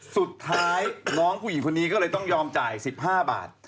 สุดท้ายน้องผู้หญิงคนนี้ก็เลยต้องยอมจ่าย๑๕บาท